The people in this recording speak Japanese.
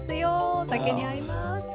お酒に合います！